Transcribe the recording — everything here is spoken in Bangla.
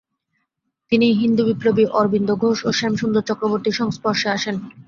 তিনি হিন্দু বিপ্লবী অরবিন্দ ঘোষ ও শ্যাম সুন্দর চক্রবর্তীর সংস্পর্শে আসেন।